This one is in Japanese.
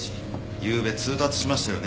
ゆうべ通達しましたよね？